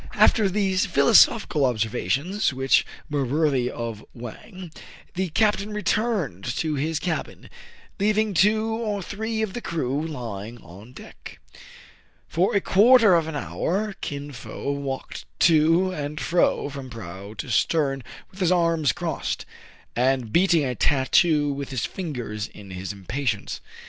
205 After these philosophical observations, which were worthy of Wang, the captain returned to his cabin, leaving two or three of the crew lying on deck. For a quarter of an hour Kin Fo walked to and fro from prow to stern, with his arms crossed, and beating a tattoo with his fingers in his impatience.